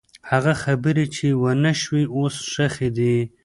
هغه خبرې چې ونه شوې، اوس ښخې دي.